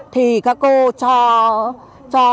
thì các cô cho